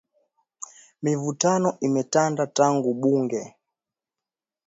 Mivutano imetanda tangu bunge